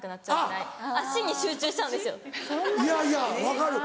いやいや分かる。